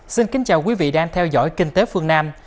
xin kính chào quý vị đang theo dõi kinh tế phương nam